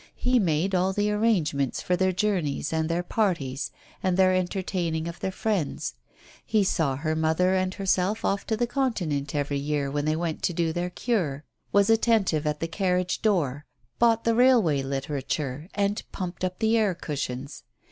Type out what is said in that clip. He made all the arrangements for their journeys and their parties and their entertaining of their friends. He saw her mother and herself off to the Continent every year when they went to do their cure, was attentive at the carriage door, bought the railway literature, and pumped up the air cushions.